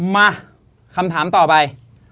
มาคำถามต่อไป